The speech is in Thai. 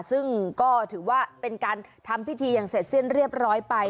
ซึ่งก็ถือว่าเป็นการทำพิธีอย่างเสร็จสิ้นเรียบร้อยไป